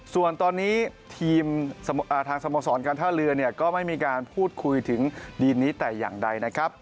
ส่วนตอนนี้ทีมทางสโมสรการท่าเรือเนี่ยก็ไม่มีการพูดคุยถึงดีนนี้แต่อย่างใดนะครับ